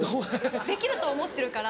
できると思ってるから。